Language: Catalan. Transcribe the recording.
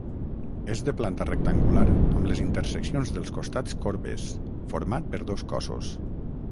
És de planta rectangular amb les interseccions dels costats corbes, format per dos cossos.